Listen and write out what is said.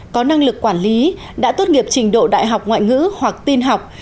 có năng lực quản lý đã tốt nghiệp trình độ đại học ngoại ngữ hoặc tin học